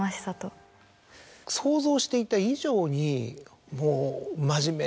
想像していた以上にもう。